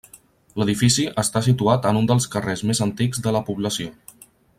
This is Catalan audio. L'edifici està situat en un dels carrers més antics de la població.